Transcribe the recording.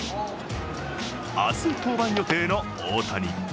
明日、登板予定の大谷。